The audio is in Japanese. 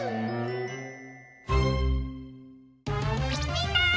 みんな！